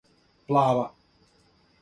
Плава